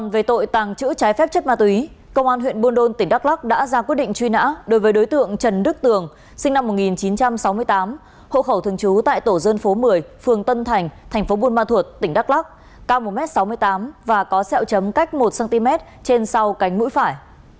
về tội tàng trữ trái phép chất ma túy công an huyện buôn đôn tỉnh đắk lắc đã ra quyết định truy nã đối với đối tượng trần đức tường sinh năm một nghìn chín trăm sáu mươi tám hộ khẩu thường trú tại tổ dân phố một mươi phường tân thành thành phố buôn ma thuột tỉnh đắk lắc cao một m sáu mươi tám và có sẹo chấm cách một cm trên sau cánh mũi phải